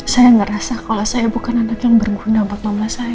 saya ngerasa kalau saya bukan anak yang berguna empat nama saya